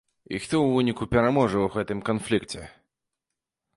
І хто ў выніку пераможа ў гэтым канфлікце?